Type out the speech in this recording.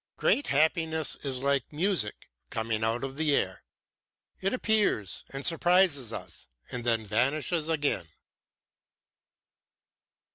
Great happiness is like music coming out of the air it appears and surprises us and then vanishes again."